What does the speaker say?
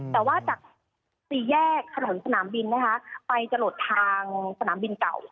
แต่ว่าจากสี่แยกถนนสนามบินนะคะไปจะหลดทางสนามบินเก่า